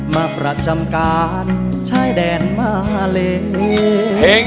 มาประจำการใช้แดนมาเล่น